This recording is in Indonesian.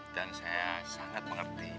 dan saya sangat mengerti